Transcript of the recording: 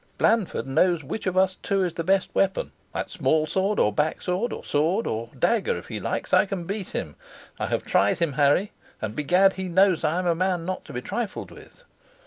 Blandford knows which of us two is the best weapon. At small sword, or back sword, or sword and dagger if he likes; I can beat him. I have tried him, Harry; and begad he knows I am a man not to be trifled with."